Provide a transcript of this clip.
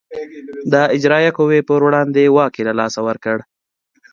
د اجرایه قوې پر وړاندې واک یې له لاسه ورکړ.